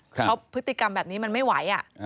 เพราะพฤติกรรมแบบนี้มันไม่ไหว